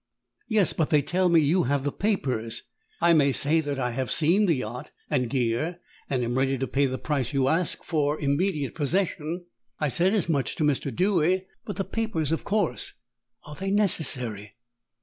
"Yes, but they tell me you have the papers. I may say that I have seen the yacht and gear and am ready to pay the price you ask for immediate possession. I said as much to Mr. Dewy. But the papers, of course " "Are they necessary?"